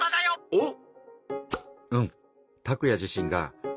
おっ！